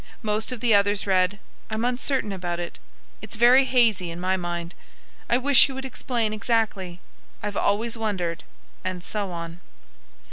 Most of the others read, "I'm uncertain about it"; "it's very hazy in my mind"; "I wish you would explain exactly"; "I've always wondered"; and so on.